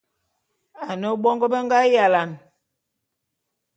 Ane mongô be nga yalane.